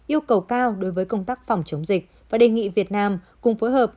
yêu cầu cao đối với công tác phòng chống dịch và đề nghị việt nam cùng phối hợp